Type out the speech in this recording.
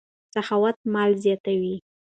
سخاوت مال زیاتوي.